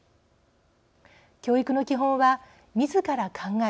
教育の基本は、みずから考え